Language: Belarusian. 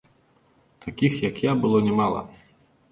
Такіх, як я, было нямала.